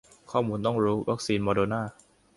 ข้อมูลต้องรู้ วัคซีนโมเดอร์นา